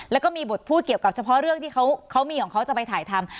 และมีบทพูดเกี่ยวกับเฉพาะเรื่องที่เขาจะไปถ่ายทำ